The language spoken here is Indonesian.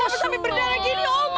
bersama lima perogasi